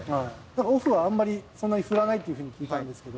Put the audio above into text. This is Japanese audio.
オフはあんまり、そんなに振らないっていうふうに聞いたんですけど。